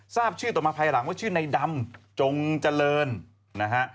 ทราบชื่อต่อมาภายหลังว่าชื่อในดำจงเจริญนะฮะ